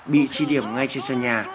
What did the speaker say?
bị chi điểm ngay trên sân nhà